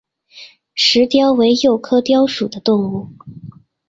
石貂为鼬科貂属的动物。